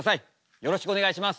よろしくお願いします。